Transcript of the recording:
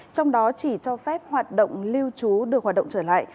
trong đó chỉ cho phép hoạt động lưu trú được hoạt động trở lại